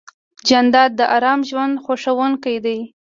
جانداد د ارام ژوند خوښوونکی دی.